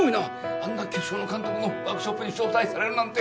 あんな巨匠の監督のワークショップに招待されるなんて！